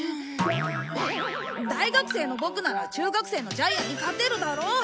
大学生のボクなら中学生のジャイアンに勝てるだろう！